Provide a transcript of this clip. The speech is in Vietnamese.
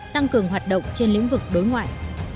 tăng cường hoạt động trên lĩnh vực đối ngoại